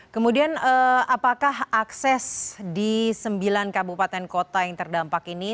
kemudian apakah akses di sembilan kabupaten kota yang terdampak ini